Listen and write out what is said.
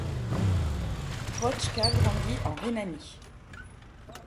Protschka grandit en Rhénanie.